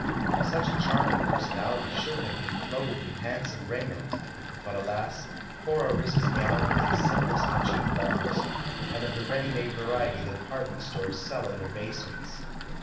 Such a charming personality should have been clothed in handsome raiment; but, alas, poor Orissa's gown was the simplest of cheap lawns, and of the ready made variety the department stores sell in their basements.